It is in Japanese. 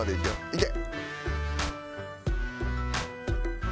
いけ！